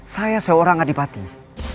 saya seorang kadipatin